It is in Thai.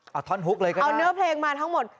เอาท่อนฮุกเลยครับเอาเนื้อเพลงมาทั้งหมด